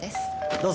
どうぞ。